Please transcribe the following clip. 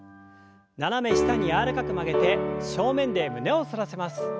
斜め下に柔らかく曲げて正面で胸を反らせます。